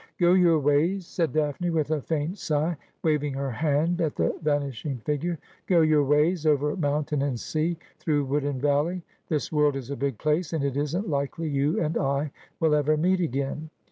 ' Go your ways,' said Daphne with a faint sigh, waving her hand at the vanishing figure. ' Go your ways over mountain and sea, through wood and valley. This world is a big place, and it isn't likely you and I will ever meet again.'